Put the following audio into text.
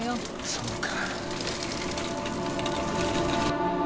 そうか。